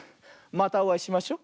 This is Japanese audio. またおあいしましょ。